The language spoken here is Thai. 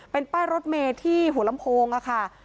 เป็นป้ายรถเมย์ที่หัวลำโพงค่ะ